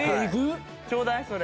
ちょうだいそれ。